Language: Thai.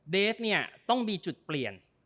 เดสเนี่ยต้องมีจุดเปลี่ยน